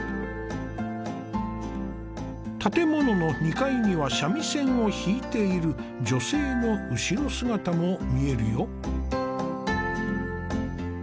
建物の２階には三味線を弾いている女性の後ろ姿も見えるよ。